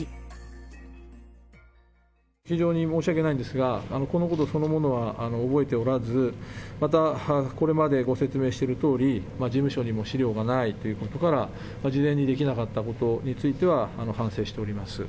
非常に申し訳ないんですが、このことそのものは覚えておらず、また、これまでご説明しているとおり、事務所にも資料がないということから、事前にできなかったことについては反省しております。